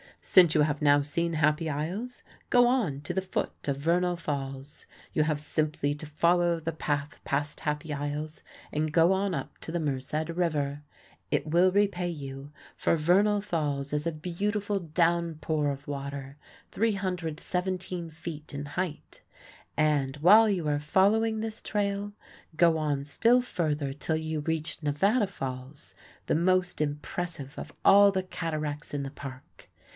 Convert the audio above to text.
Since you have now seen Happy Isles, go on to the foot of Vernal Falls. You have simply to follow the path past Happy Isles, and go on up the Merced River. It will repay you, for Vernal Falls is a beautiful down pour of water, 317 feet in height. And, while you are following this trail, go on still further till you reach Nevada Falls, the most impressive of all the cataracts in the Park.